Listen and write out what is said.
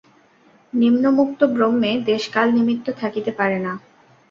নিত্যমুক্ত ব্রহ্মে দেশ-কাল-নিমিত্ত থাকিতে পারে না।